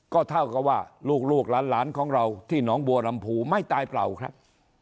ก็เท่ากับว่าลูกหลานของเราที่หนองบัวลำพูไม่ตายเปล่าครับ